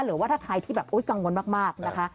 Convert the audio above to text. หรือว่าถ้าใครที่แบบกังวลมากนะคะ